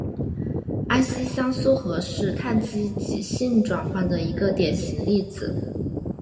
安息香缩合是羰基极性转换的一个典型例子。